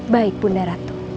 baik bunda ratu